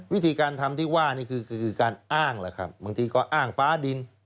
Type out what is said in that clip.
วิธีการทำที่ว่านี่คือการอ้างแหละครับบางทีก็อ้างฟ้าดิน